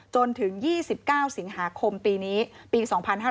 จนถึง๒๙สิงหาคมปีนี้ปี๒๕๕๙